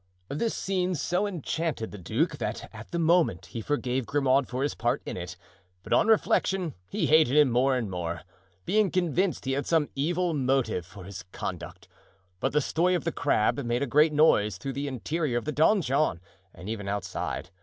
This scene so enchanted the duke that at the moment he forgave Grimaud for his part in it; but on reflection he hated him more and more, being convinced he had some evil motive for his conduct. But the story of the crab made a great noise through the interior of the donjon and even outside.